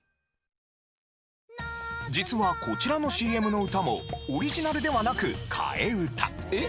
実はこちらのＣＭの歌もオリジナルではなく替え歌。